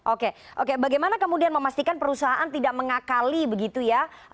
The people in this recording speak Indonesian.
oke oke bagaimana kemudian memastikan perusahaan tidak mengakali begitu ya